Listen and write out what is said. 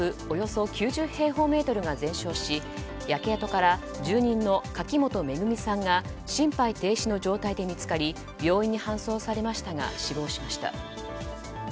およそ９０平方メートルが全焼し焼け跡から住人の柿本惠さんが心肺停止の状態で見つかり病院に搬送されましたが死亡しました。